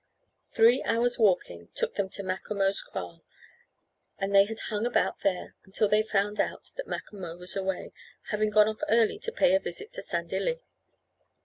Three hours' walking took them to Macomo's kraal, and they had hung about there until they found out that Macomo was away, having gone off early to pay a visit to Sandilli.